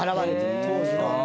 当時の。